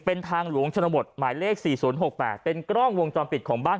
เป็นทางหลวงชนบทหมายเลขสี่ศูนย์หกแปดเป็นกล้องวงจอมปิดของบ้าน